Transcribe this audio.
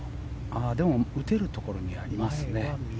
打てるところにありますね。